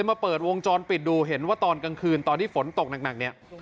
มาเปิดวงจรปิดดูเห็นว่าตอนกลางคืนตอนที่ฝนตกหนักเนี่ย